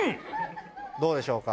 どうでしょうか？